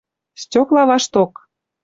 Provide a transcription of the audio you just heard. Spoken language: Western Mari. Стёкла вашток